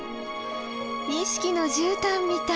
錦のじゅうたんみたい。